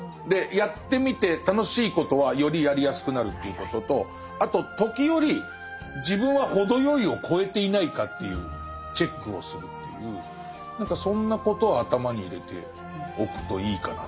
やってみて楽しいことはよりやりやすくなるということとあと時折自分は程よいを超えていないかというチェックをするっていう何かそんなことを頭に入れておくといいかな。